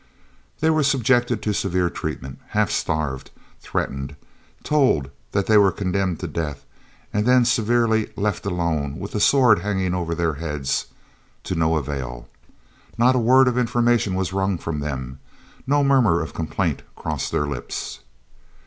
They were subjected to severe treatment, half starved, threatened, told that they were condemned to death, and then severely left alone with the sword hanging over their heads to no avail. Not a word of information was wrung from them, no murmur of complaint crossed their lips.